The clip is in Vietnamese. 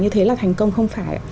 như thế là thành công không phải